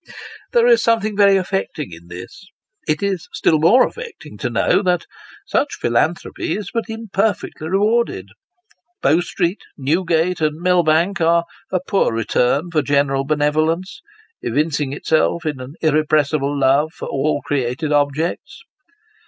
There is something very affecting in this. It is still more affecting to know, that such philanthropy is but imperfectly rewarded. Bow street, Newgate, and Millbank, are a poor return for general bene volence, evincing itself in an irrepressible love for all created objects.